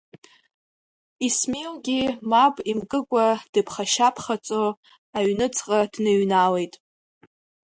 Исмилгьы мап имкыкәа дыԥхашьа-ԥхаҵо аҩныҵҟа дныҩналеит.